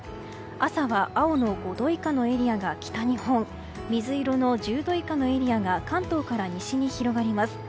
朝は青の５度以下のエリアが北日本水色の１０度以下のエリアが関東から西に広がります。